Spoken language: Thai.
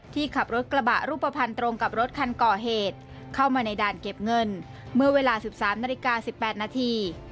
ขับรถกระบะรูปภัณฑ์ตรงกับรถคันก่อเหตุเข้ามาในด่านเก็บเงินเมื่อเวลา๑๓นาฬิกา๑๘นาที